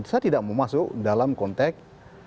saya tidak mau masuk dalam konteks